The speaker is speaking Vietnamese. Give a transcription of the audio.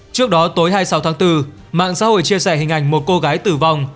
trước đó tối hai mươi sáu tháng bốn mạng xã hội chia sẻ hình ảnh một cô gái tử vong